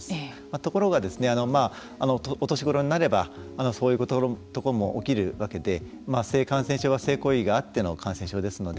ところが、お年ごろになればそういうことも起きるわけで性感染症は性行為があっての感染症ですので。